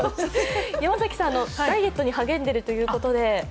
山崎さんはダイエットに励んでいるということで？